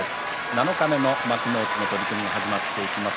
七日目の幕内の取組が始まっていきます。